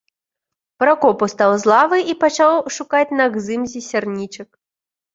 Пракоп устаў з лавы і пачаў шукаць на гзымсе сярнічак.